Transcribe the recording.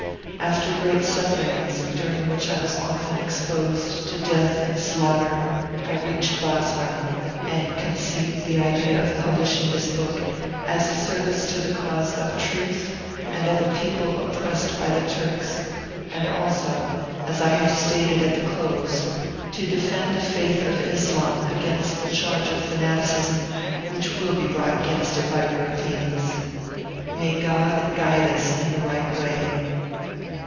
After great sufferings, during which I was often exposed to death and slaughter, I reached Basra, and conceived the idea of publishing this book, as a service to the cause of truth and of a people oppressed by the Turks, and also, as I have stated at the close, to defend the faith of Islam against the charge of fanaticism which will be brought against it by Europeans. May God guide us in the right way.